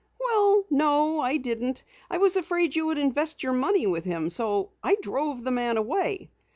"Well, no I didn't. I was afraid you would invest your money with him, so I drove the man away.